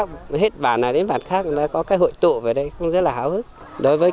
được giao lưu với các hết bàn này đến bàn khác nó có cái hội tụ ở đây cũng rất là hào hức đối với